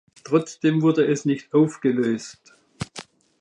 Trotzdem wurde es nicht aufgelöst.